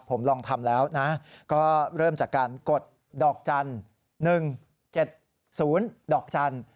ผมลองทำแล้วนะก็เริ่มจากการกดดอกจันทร์๑๗๐ดอกจันทร์